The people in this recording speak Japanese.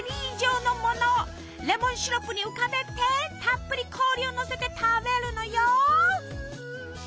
レモンシロップに浮かべてたっぷり氷をのせて食べるのよ！